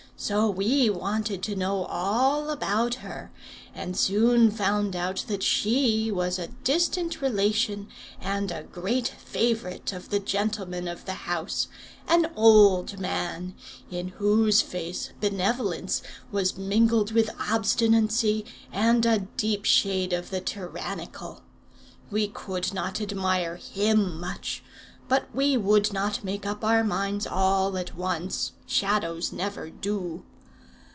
So we wanted to know all about her, and soon found out that she was a distant relation and a great favourite of the gentleman of the house, an old man, in whose face benevolence was mingled with obstinacy and a deep shade of the tyrannical. We could not admire him much; but we would not make up our minds all at once: Shadows never do.